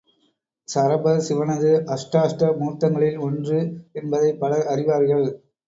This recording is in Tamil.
சரபர் சிவனது அஷ்டாஷ்ட மூர்த்தங்களில் ஒன்று என்பதைப் பலர் அறிவார்கள்.